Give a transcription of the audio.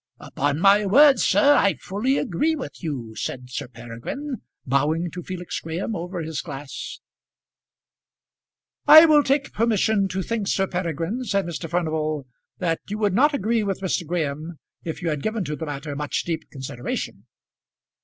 "Upon my word, sir, I fully agree with you," said Sir Peregrine, bowing to Felix Graham over his glass. "I will take permission to think, Sir Peregrine," said Mr. Furnival, "that you would not agree with Mr. Graham if you had given to the matter much deep consideration."